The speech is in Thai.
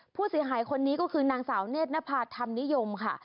ผู้เสียหายคนนี้ก็คือนางสาวเนธนภาธรรมนิยมค่ะ